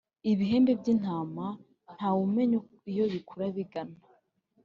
Ibihembe by’intama ntawe umenya iyo bikura bigana.